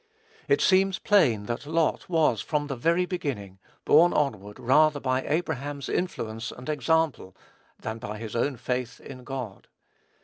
It seems plain that Lot was, from the very beginning, borne onward rather by Abraham's influence and example, than by his own faith in God.